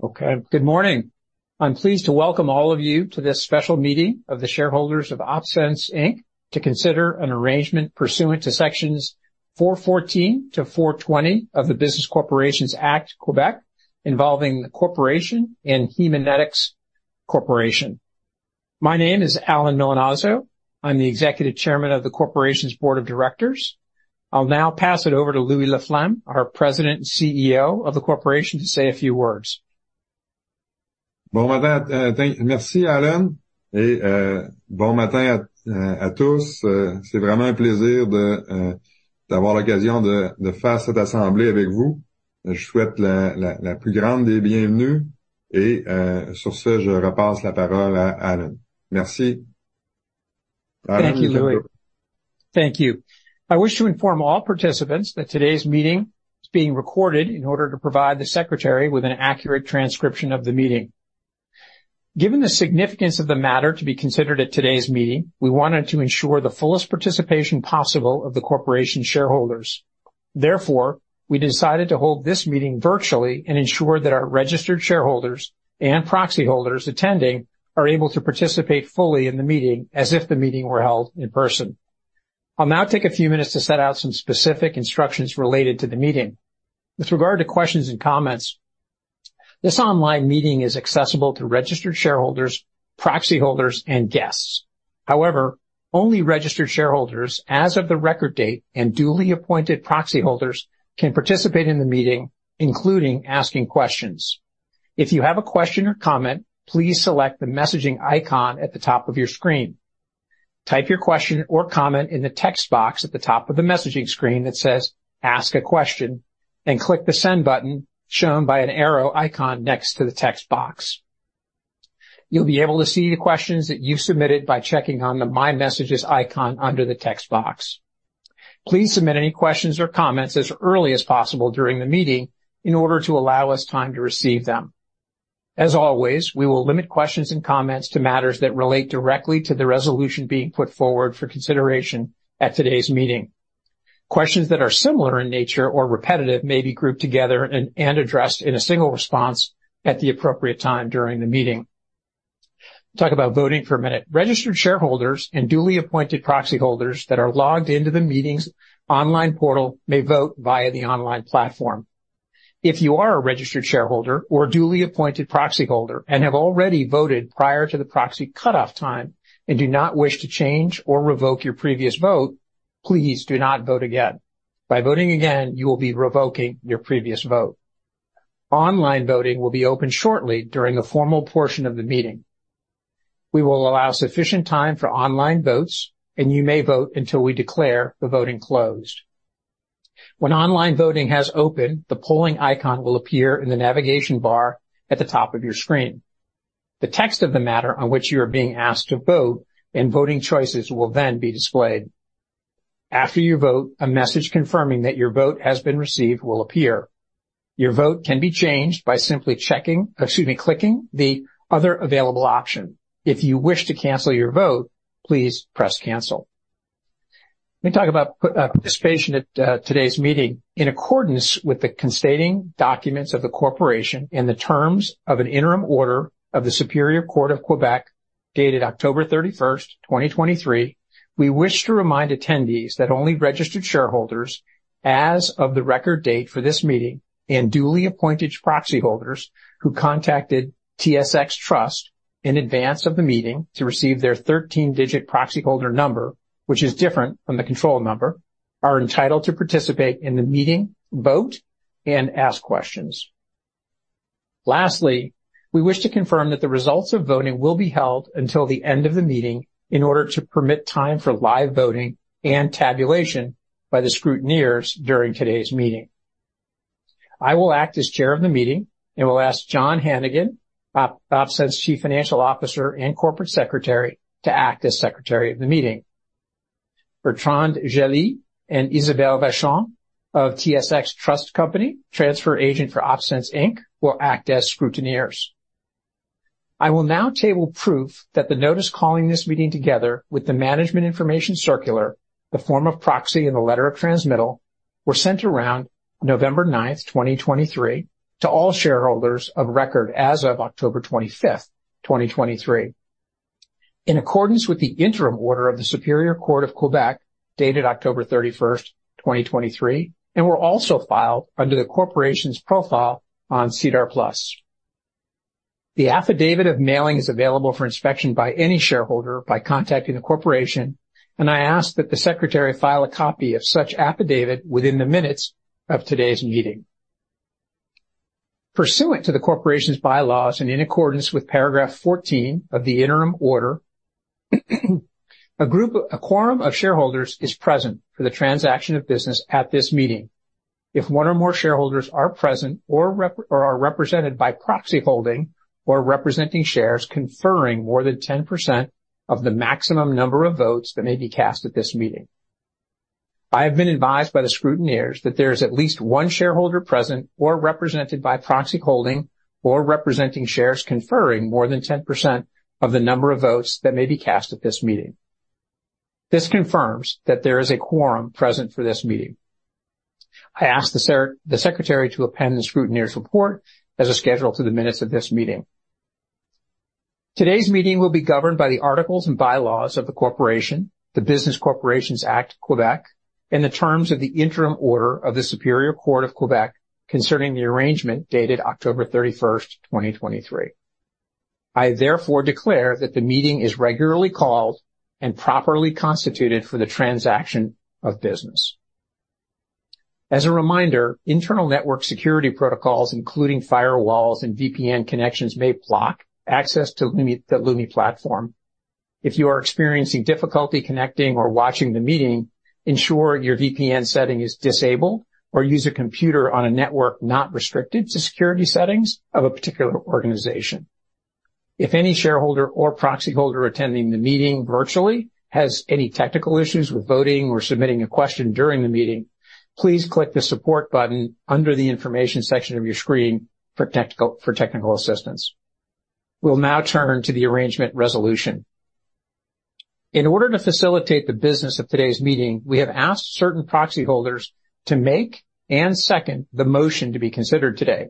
Okay, good morning. I'm pleased to welcome all of you to this special meeting of the shareholders of OpSens Inc, to consider an arrangement pursuant to Sections 414 to 420 of the Business Corporations Act, Québec, involving the Corporation and Haemonetics Corporation. My name is Alan Milinazzo. I'm the Executive Chairman of the corporation's board of directors. I'll now pass it over to Louis Laflamme, our President and CEO of the corporation, to say a few words. Bon matin. Merci, Alan, et bon matin à tous. C'est vraiment un plaisir d'avoir l'occasion de faire cette assemblée avec vous. Je souhaite la plus grande des bienvenues, et sur ce, je repasse la parole à Alan. Merci. Thank you, Louis. Thank you. I wish to inform all participants that today's meeting is being recorded in order to provide the secretary with an accurate transcription of the meeting. Given the significance of the matter to be considered at today's meeting, we wanted to ensure the fullest participation possible of the corporation's shareholders. Therefore, we decided to hold this meeting virtually and ensure that our registered shareholders and proxy holders attending are able to participate fully in the meeting as if the meeting were held in person. I'll now take a few minutes to set out some specific instructions related to the meeting. With regard to questions and comments, this online meeting is accessible to registered shareholders, proxy holders, and guests. However, only registered shareholders as of the record date and duly appointed proxy holders can participate in the meeting, including asking questions. If you have a question or comment, please select the messaging icon at the top of your screen. Type your question or comment in the text box at the top of the messaging screen that says, "Ask a question," and click the Send button, shown by an arrow icon next to the text box. You'll be able to see the questions that you've submitted by checking on the My Messages icon under the text box. Please submit any questions or comments as early as possible during the meeting in order to allow us time to receive them. As always, we will limit questions and comments to matters that relate directly to the resolution being put forward for consideration at today's meeting. Questions that are similar in nature or repetitive may be grouped together and addressed in a single response at the appropriate time during the meeting. Talk about voting for a minute. Registered shareholders and duly appointed proxy holders that are logged into the meeting's online portal may vote via the online platform. If you are a registered shareholder or a duly appointed proxy holder and have already voted prior to the proxy cutoff time and do not wish to change or revoke your previous vote, please do not vote again. By voting again, you will be revoking your previous vote. Online voting will be open shortly during the formal portion of the meeting. We will allow sufficient time for online votes, and you may vote until we declare the voting closed. When online voting has opened, the polling icon will appear in the navigation bar at the top of your screen. The text of the matter on which you are being asked to vote and voting choices will then be displayed. After you vote, a message confirming that your vote has been received will appear. Your vote can be changed by simply checking, excuse me, clicking the other available option. If you wish to cancel your vote, please press Cancel. Let me talk about participation at today's meeting. In accordance with the statutory documents of the corporation and the terms of an interim order of the Superior Court of Quebec, dated October 31, 2023, we wish to remind attendees that only registered shareholders as of the record date for this meeting, and duly appointed proxy holders who contacted TSX Trust in advance of the meeting to receive their 13-digit proxy holder number, which is different from the control number, are entitled to participate in the meeting, vote, and ask questions. Lastly, we wish to confirm that the results of voting will be held until the end of the meeting in order to permit time for live voting and tabulation by the scrutineers during today's meeting. I will act as chair of the meeting and will ask John Hannigan, OpSens Chief Financial Officer and Corporate Secretary, to act as secretary of the meeting. Bertrand Gély and Isabelle Vachon of TSX Trust Company, transfer agent for OpSens Inc, will act as scrutineers. I will now table proof that the notice calling this meeting, together with the management information circular, the form of proxy, and the letter of transmittal, were sent around November 9th, 2023, to all shareholders of record as of October 25th, 2023. In accordance with the interim order of the Superior Court of Quebec, dated October 31, 2023, and were also filed under the corporation's profile on SEDAR+. The affidavit of mailing is available for inspection by any shareholder by contacting the corporation, and I ask that the secretary file a copy of such affidavit within the minutes of today's meeting. Pursuant to the corporation's bylaws and in accordance with paragraph 14 of the interim order, a quorum of shareholders is present for the transaction of business at this meeting. If one or more shareholders are present or are represented by proxy, holding or representing shares, conferring more than 10% of the maximum number of votes that may be cast at this meeting. I have been advised by the scrutineers that there is at least one shareholder present or represented by proxy, holding or representing shares, conferring more than 10% of the number of votes that may be cast at this meeting. This confirms that there is a quorum present for this meeting. I ask the secretary to append the scrutineer's report as a schedule to the minutes of this meeting. Today's meeting will be governed by the articles and bylaws of the Corporation, the Business Corporations Act (Quebec), and the terms of the interim order of the Superior Court of Quebec concerning the arrangement dated October 31, 2023. I therefore declare that the meeting is regularly called and properly constituted for the transaction of business. As a reminder, internal network security protocols, including firewalls and VPN connections, may block access to Lumi, the Lumi platform. If you are experiencing difficulty connecting or watching the meeting, ensure your VPN setting is disabled, or use a computer on a network not restricted to security settings of a particular organization. If any shareholder or proxy holder attending the meeting virtually has any technical issues with voting or submitting a question during the meeting, please click the support button under the information section of your screen for technical assistance. We'll now turn to the arrangement resolution. In order to facilitate the business of today's meeting, we have asked certain proxy holders to make and second the motion to be considered today.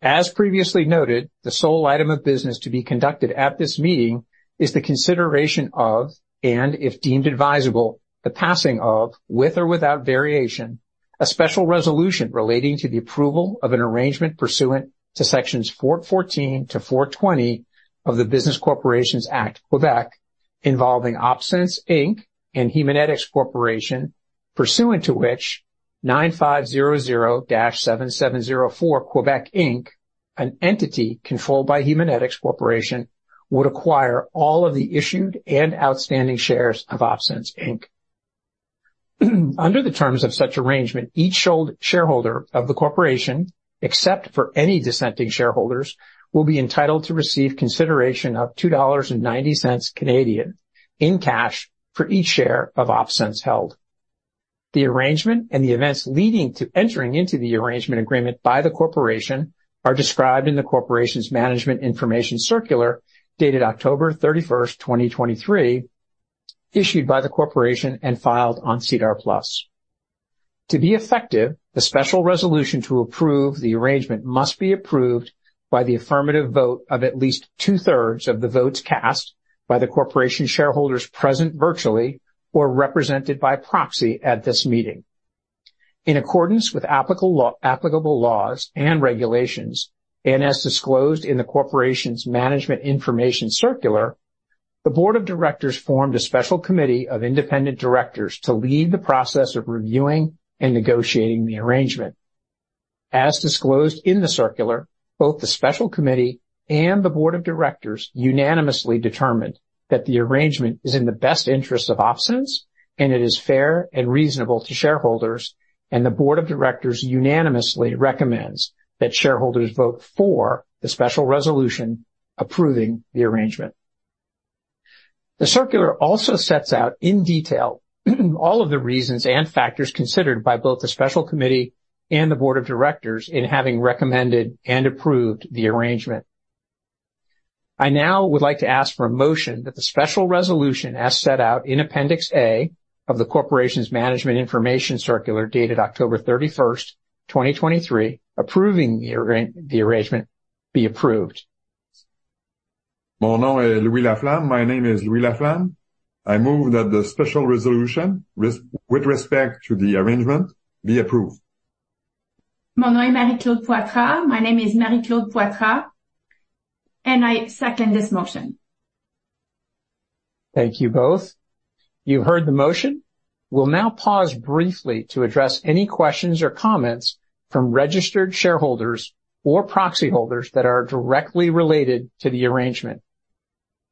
As previously noted, the sole item of business to be conducted at this meeting is the consideration of, and if deemed advisable, the passing of, with or without variation, a special resolution relating to the approval of an arrangement pursuant to sections 414 to 420 of the Business Corporations Act, Québec, involving OpSens Inc and Haemonetics Corporation, pursuant to which 9500-7704 Québec Inc, an entity controlled by Haemonetics Corporation, would acquire all of the issued and outstanding shares of OpSens Inc. Under the terms of such arrangement, each shareholder of the corporation, except for any dissenting shareholders, will be entitled to receive consideration of 2.90 Canadian dollars in cash for each share of OpSens held. The arrangement and the events leading to entering into the arrangement agreement by the corporation are described in the corporation's management information circular, dated October 31, 2023, issued by the corporation and filed on SEDAR+. To be effective, the special resolution to approve the arrangement must be approved by the affirmative vote of at least two-thirds of the votes cast by the corporation shareholders present virtually or represented by proxy at this meeting. In accordance with applicable law, applicable laws and regulations, and as disclosed in the corporation's management information circular, the board of directors formed a special committee of independent directors to lead the process of reviewing and negotiating the arrangement. As disclosed in the circular, both the special committee and the board of directors unanimously determined that the arrangement is in the best interest of OpSens, and it is fair and reasonable to shareholders. The board of directors unanimously recommends that shareholders vote for the special resolution approving the arrangement. The circular also sets out, in detail, all of the reasons and factors considered by both the special committee and the board of directors in having recommended and approved the arrangement. I now would like to ask for a motion that the special resolution, as set out in Appendix A of the corporation's management information circular, dated October 31, 2023, approving the arrangement, be approved. Mon nom est Louis Laflamme. My name is Louis Laflamme. I move that the special resolution with respect to the arrangement be approved. Mon nom est Marie-Claude Poitras. My name is Marie-Claude Poitras, and I second this motion. Thank you both. You heard the motion. We'll now pause briefly to address any questions or comments from registered shareholders or proxy holders that are directly related to the arrangement.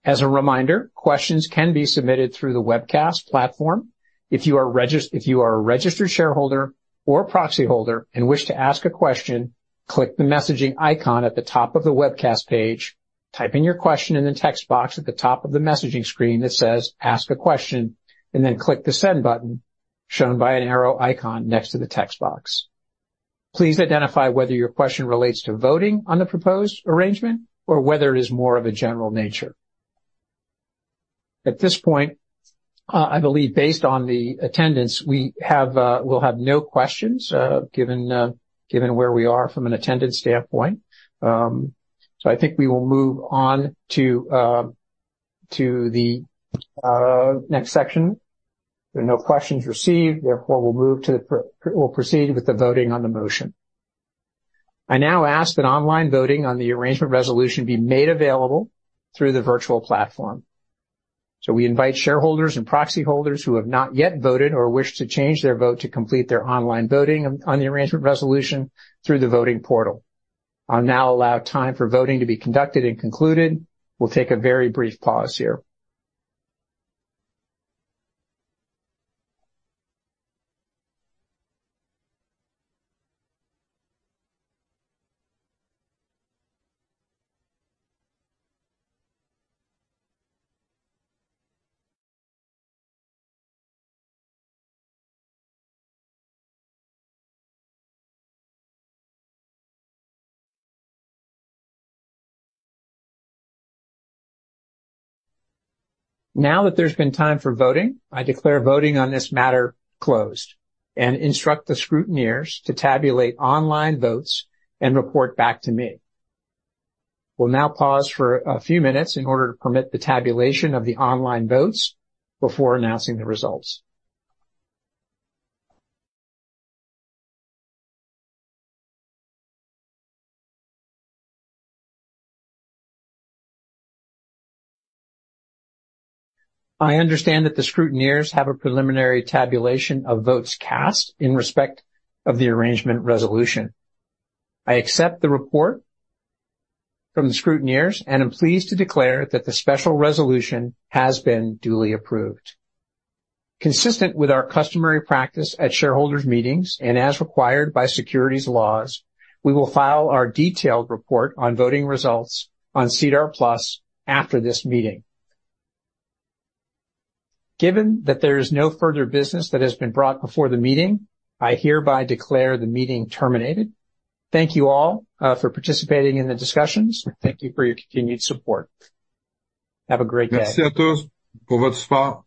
As a reminder, questions can be submitted through the webcast platform. If you are a registered shareholder or proxy holder and wish to ask a question, click the messaging icon at the top of the webcast page, type in your question in the text box at the top of the messaging screen that says, "Ask a question," and then click the Send button, shown by an arrow icon next to the text box. Please identify whether your question relates to voting on the proposed arrangement or whether it is more of a general nature. At this point, I believe based on the attendance we have, we'll have no questions, given, given where we are from an attendance standpoint. So I think we will move on to the next section. There are no questions received, therefore, we'll proceed with the voting on the motion. I now ask that online voting on the arrangement resolution be made available through the virtual platform. So we invite shareholders and proxy holders who have not yet voted or wish to change their vote to complete their online voting on the arrangement resolution through the voting portal. I'll now allow time for voting to be conducted and concluded. We'll take a very brief pause here. Now that there's been time for voting, I declare voting on this matter closed and instruct the scrutineers to tabulate online votes and report back to me. We'll now pause for a few minutes in order to permit the tabulation of the online votes before announcing the results. I understand that the scrutineers have a preliminary tabulation of votes cast in respect of the arrangement resolution. I accept the report from the scrutineers and am pleased to declare that the special resolution has been duly approved. Consistent with our customary practice at shareholders' meetings, and as required by securities laws, we will file our detailed report on voting results on SEDAR+ after this meeting. Given that there is no further business that has been brought before the meeting, I hereby declare the meeting terminated. Thank you all, for participating in the discussions. Thank you for your continued support. Have a great day. Merci à tous pour votre support.